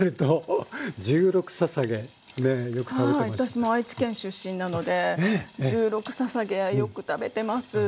私も愛知県出身なので十六ささげはよく食べてます。